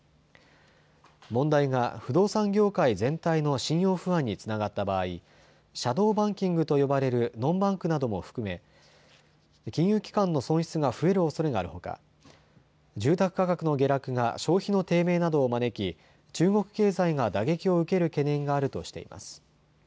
問題が不動産業界全体の信用不安につながった場合、シャドーバンキングと呼ばれるノンバンクなどを含め金融機関の損失が増えるおそれがあるほか住宅価格の下落が消費の低迷などを招き中国経済が打撃を受ける懸念があるとしています。